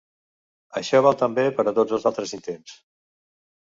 Això val també per a tots els altres intents.